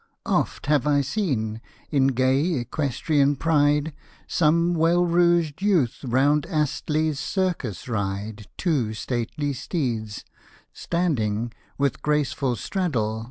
Oft have I seen, in gay, equestrian pride, Some well rouged youth round Astley's Circus ride Two stately steeds — standing, with graceful straddle.